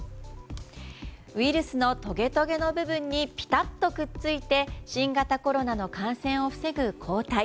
ウイルスのとげとげの部分にピタッとくっついて新型コロナの感染を防ぐ抗体。